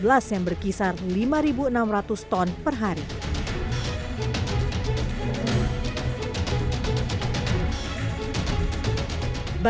melall learning internet mudah mudahan dan selalu turun dengan keisokan